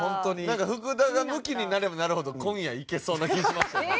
なんか福田がムキになればなるほど今夜いけそうな気しますよね。